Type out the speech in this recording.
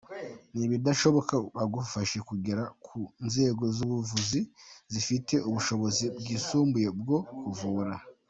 Nibidashoboka bagufashe kugera ku nzego z’ubuvuzi zifite ubushobozi bwisumbuye bwo kuvura”.